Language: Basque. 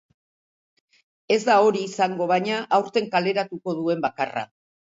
Ez da hori izango, baina, aurten kaleratuko duen bakarra.